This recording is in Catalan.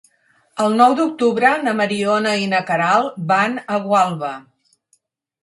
El nou d'octubre na Mariona i na Queralt van a Gualba.